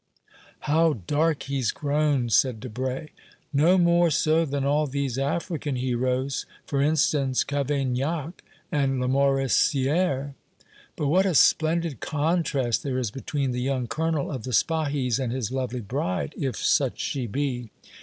"How dark he's grown!" said Debray. "No more so than all these African heroes for instance, Cavaignac and Lamoricière." "But what a splendid contrast there is between the young Colonel of the Spahis and his lovely bride, if such she be!